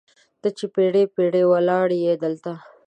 ته چې پیړۍ، پیړۍ ولاړیې دلته